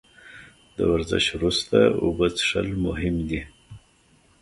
د ورزش وروسته اوبه څښل مهم دي